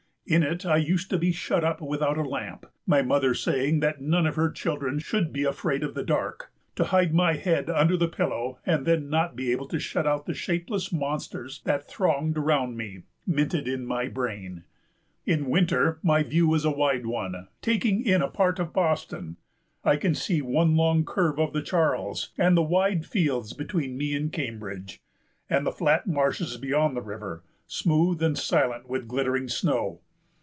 In it I used to be shut up without a lamp, my mother saying that none of her children should be afraid of the dark, to hide my head under the pillow, and then not be able to shut out the shapeless monsters that thronged around me, minted in my brain.... In winter my view is a wide one, taking in a part of Boston. I can see one long curve of the Charles and the wide fields between me and Cambridge, and the flat marshes beyond the river, smooth and silent with glittering snow.